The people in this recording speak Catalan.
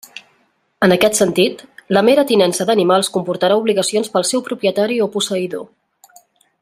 En aquest sentit, la mera tinença d'animals comportarà obligacions pel seu propietari o posseïdor.